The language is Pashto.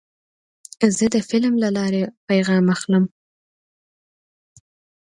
زه د فلم له لارې پیغام اخلم.